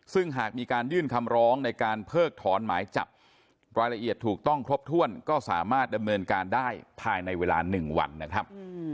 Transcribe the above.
ซึ่งหากมีการยื่นคำร้องในการเพิกถอนหมายจับรายละเอียดถูกต้องครบถ้วนก็สามารถดำเนินการได้ภายในเวลา๑วันนะครับ